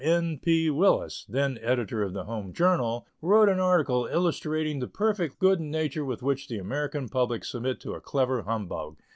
N. P. Willis, then editor of the Home Journal, wrote an article illustrating the perfect good nature with which the American public submit to a clever humbug.